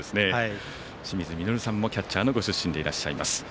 清水稔さんもキャッチャーのご出身でいらっしゃいます。